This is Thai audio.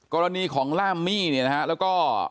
กรณีของล่ามมี่เนี่ยนะฮะแล้วก็